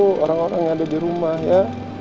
uwuh orang orang di rumah ya